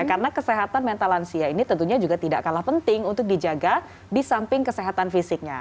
karena kesehatan mental lansia ini tentunya juga tidak kalah penting untuk dijaga di samping kesehatan fisiknya